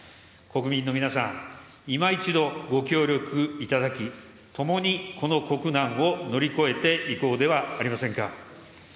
国民の皆さん、いま一度、ご協力いただき、共にこの国難を乗り越えていこうではありませんか。